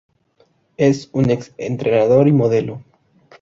Es un ex entrenador y modelo.